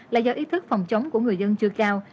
là do ý thức phòng chống của người dân chưa cao